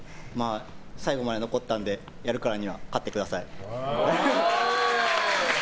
最後まで残ったんでやるからには勝ってください。